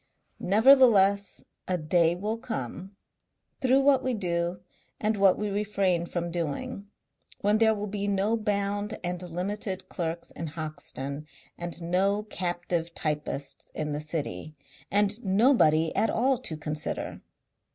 Nevertheless a day will come through what we do and what we refrain from doing when there will be no bound and limited clerks in Hoxton and no captive typists in the city. And nobody at all to consider."